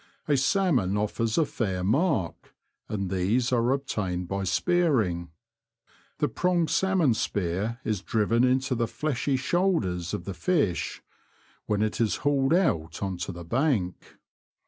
A salmon offers a fair mark, and these are ob tained by spearing. The pronged salmon spear is driven into the fleshy shoulders of the fish, when it is hauled out on to the bank.